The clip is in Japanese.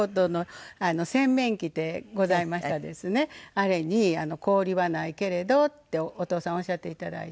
あれに「氷はないけれど」ってお父さんおっしゃっていただいて。